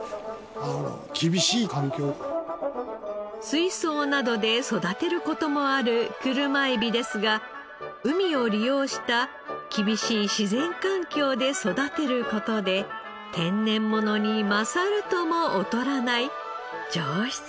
水槽などで育てる事もある車エビですが海を利用した厳しい自然環境で育てる事で天然ものに勝るとも劣らない上質な味わいになるのです。